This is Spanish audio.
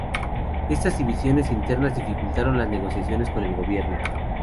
Estas divisiones internas dificultaron las negociaciones con el gobierno.